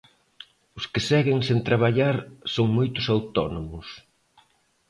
Os que seguen sen traballar son moitos autónomos.